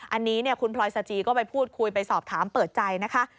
อันนี้คุณพลอยสจีก็ไปพูดคุยไปสอบถามเปิดใจนะคะ